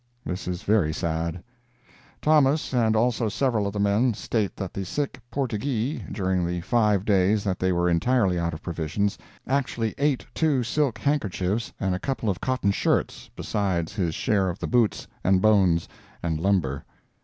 This is very sad. Thomas and also several of the men state that the sick "Portyghee," during the five days that they were entirely out of provisions, actually ate two silk handkerchiefs and a couple of cotton shirts, besides his share of the boots, and bones, and lumber.